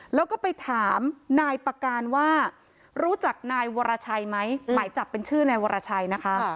แล้วก็ไปถามนายประการว่ารู้จักนายวรชัยไหมหมายจับเป็นชื่อนายวรชัยนะคะ